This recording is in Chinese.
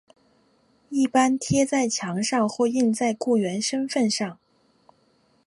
一般贴在墙上或印在雇员身份上。